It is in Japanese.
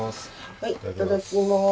はいいただきます。